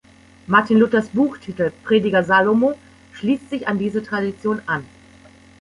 Martin Luthers Buchtitel „Prediger Salomo“ schließt sich an diese Tradition an.